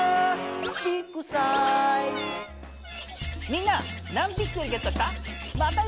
みんな何ピクセルゲットした？